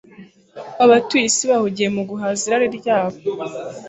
abatuye isi bahugiye mu guhaza irari ryabo